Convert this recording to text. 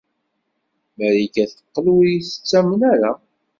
Marika teqqel ur iyi-tettamen ara.